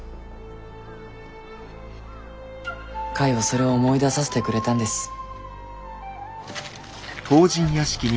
カイはそれを思い出させてくれたんです。